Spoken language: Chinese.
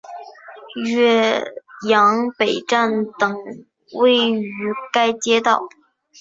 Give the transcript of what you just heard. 岳阳北站等位于该街道。